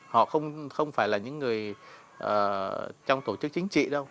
họ không phải là những người trong tổ chức chính trị đâu